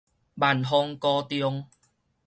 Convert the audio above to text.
萬芳高中